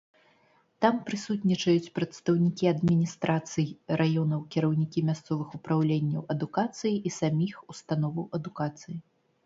Там прысутнічаюць прадстаўнікі адміністрацый раёнаў, кіраўнікі мясцовых упраўленняў адукацыі і саміх установаў адукацыі.